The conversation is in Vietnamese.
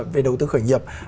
về đầu tư khởi nghiệp